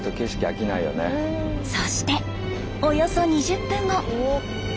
そしておよそ２０分後。